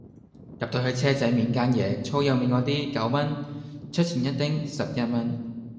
入到去車仔麵間野粗幼麵果啲九蚊出前一丁十一蚊